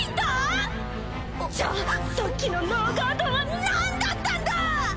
じゃあさっきのノーガードはなんだったんだ！